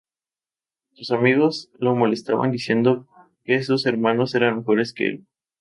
Sus amigos lo molestaban diciendo que sus hermanos eran mejores que el.